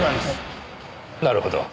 なるほど。